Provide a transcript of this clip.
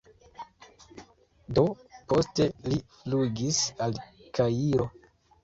Do poste li flugis al Kairo.